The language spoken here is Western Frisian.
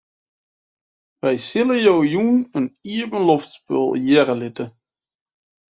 Wy sille jo jûn in iepenloftspul hearre litte.